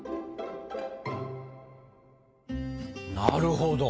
なるほど。